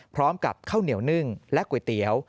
พร้อมกับข้าวเหนียวนึ่งและก๋วยเตี๋ยว